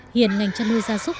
hiện ngành trăn nuôi gia súc